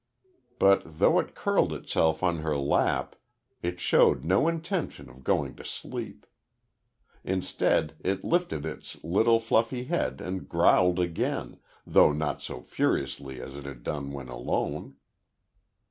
But though it curled itself on her lap, it showed no intention of going to sleep. Instead, it lifted its little fluffy head and growled again, though not so furiously as it had done when alone.